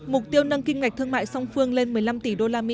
mục tiêu nâng kinh ngạch thương mại song phương lên một mươi năm tỷ usd